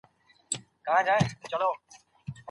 افغانستان له نړیوالو مرستو اغېزمنه استفاده نه کوي.